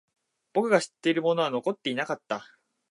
僕が知っているものは残っていなかった。